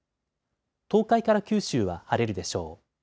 東海から九州は晴れるでしょう。